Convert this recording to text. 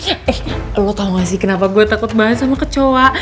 eh allah tau gak sih kenapa gue takut banget sama kecoa